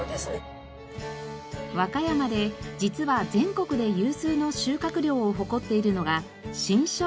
和歌山で実は全国で有数の収穫量を誇っているのが。